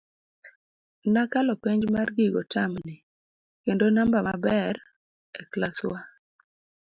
Nakalo penj mar gigo tam ni, kendo namba maber e klas wa.